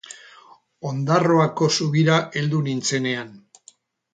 Ondarroako zubira heldu nintzenean.